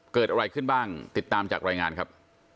เกิดอะไรขึ้นบ้างติดตามจากรายงานครับ